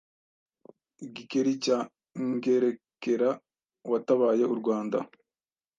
Kigeli cya Ngerekera.watabaye urwanda